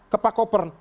ke pak kopern